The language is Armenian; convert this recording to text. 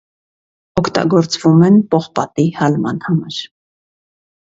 Օգտագործվում են պողպատի հալման համար։